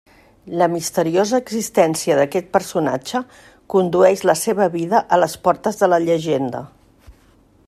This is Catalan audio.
La misteriosa existència d'aquest personatge condueix la seva vida a les portes de la llegenda.